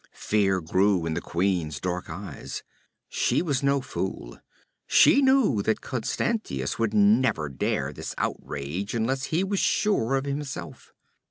Fear grew in the queen's dark eyes. She was no fool; she knew that Constantius would never dare this outrage unless he was sure of himself.